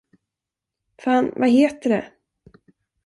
Fan, vad heter det?